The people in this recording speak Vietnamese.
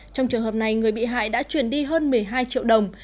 trong trường hợp này người bị hại đã chuyển đi hơn một mươi hai triệu đồng